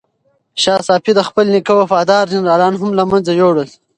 شاه صفي د خپل نیکه وفادار جنرالان هم له منځه یووړل.